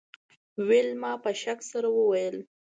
ویلما په شک سره وویل